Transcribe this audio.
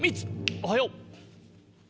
おはよう。